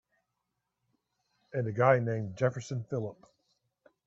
And a guy named Jefferson Phillip.